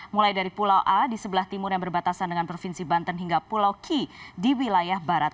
mulai dari pulau a di sebelah timur yang berbatasan dengan provinsi banten hingga pulau ki di wilayah barat